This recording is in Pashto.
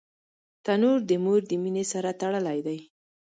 تنور د مور د مینې سره تړلی دی